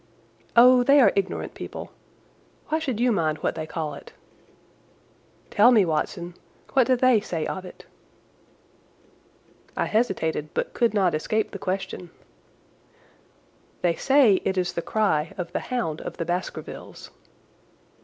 "Oh, they are ignorant people. Why should you mind what they call it?" "Tell me, Watson. What do they say of it?" I hesitated but could not escape the question. "They say it is the cry of the Hound of the Baskervilles."